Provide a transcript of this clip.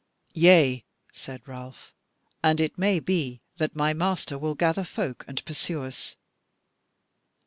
"Yea," said Ralph, "and it may be that my master will gather folk and pursue us."